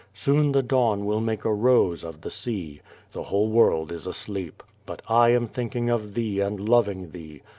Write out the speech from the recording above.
Soon the dawn will make a rose of the sea. The whole world is asleep. But 1 am thinking of thee and loving thee.